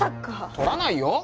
取らないよ！